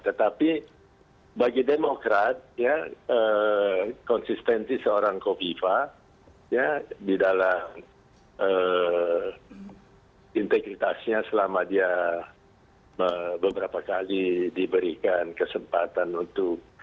tetapi bagi demokrat ya konsistensi seorang kofifa di dalam integritasnya selama dia beberapa kali diberikan kesempatan untuk